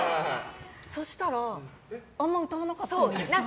そしたら、あんま歌わなかったんですよね。